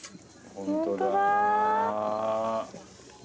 本当だ。